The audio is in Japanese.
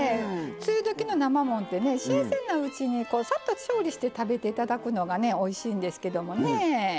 梅雨どきの生もんってね新鮮なうちに、さっと調理して食べていただくのがおいしいんですけどもね。